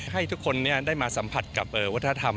ให้ทุกคนได้มาสัมผัสกับวัฒนธรรม